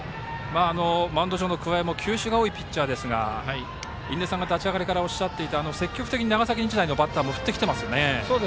マウンド上の桑江も球種が多いピッチャーですが印出さんが立ち上がりからおっしゃっていたように積極的に長崎日大のバッターも振ってきていますね。